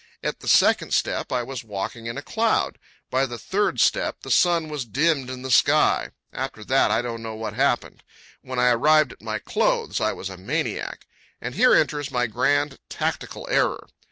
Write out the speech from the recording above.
At the second step I was walking in a cloud. By the third step the sun was dimmed in the sky. After that I don't know what happened. When I arrived at my clothes, I was a maniac. And here enters my grand tactical error.